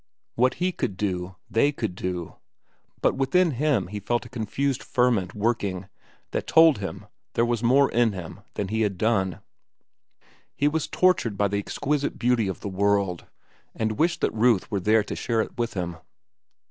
What he could do,—they could do; but within him he felt a confused ferment working that told him there was more in him than he had done. He was tortured by the exquisite beauty of the world, and wished that Ruth were there to share it with him.